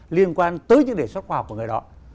liên quan tới những đề xuất khoa học của người đó